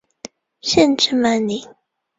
县治曼宁。